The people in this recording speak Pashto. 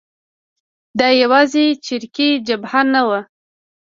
دا یوازې چریکي جبهه نه وه.